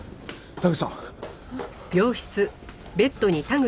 田口さん。